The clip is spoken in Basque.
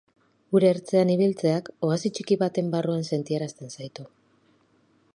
Ur ertzean ibiltzeak oasi txiki baten barruan sentiarazten zaitu.